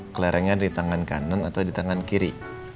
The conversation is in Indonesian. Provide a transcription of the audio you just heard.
kelerengnya di tangan kanan atau di tangan kiri